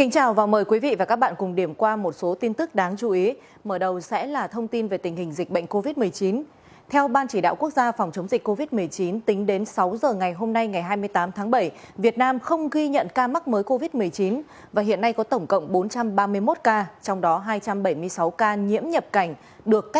các bạn hãy đăng ký kênh để ủng hộ kênh của chúng mình nhé